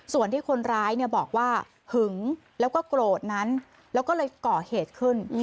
ส่วนที่คนร้ายบอกว่าหึงแล้วก็โกรธนั้นแล้วก็เลยก่อเหตุขึ้น